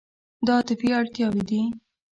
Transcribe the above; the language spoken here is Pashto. دا عاطفي اړتیاوې دي.